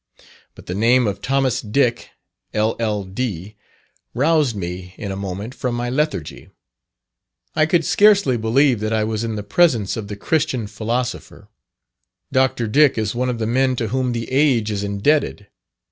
But the name of Thomas Dick, LL.D., roused me in a moment, from my lethargy; I could scarcely believe that I was in the presence of the "Christian Philosopher." Dr. Dick is one of the men to whom the age is indebted.